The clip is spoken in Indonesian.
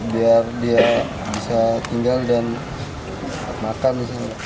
biar dia bisa tinggal dan makan